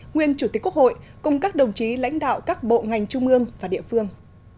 nguyên chủ tịch quốc hội cùng các đồng chí lãnh đạo các bộ ngành trung ương và địa phương